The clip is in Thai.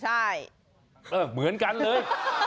ใช่ไหมใช่เหมือนกันเลย